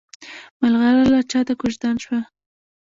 ملغلره چاته کوژدن شوه؟